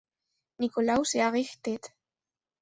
Nikolaus errichtet.